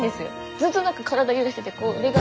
ずっと何か体揺らしててこれが。